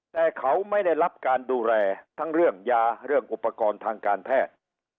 แต่เขาไม่ได้รับการดูแลทั้งเรื่องยาเรื่องอุปกรณ์ทางการแพทย์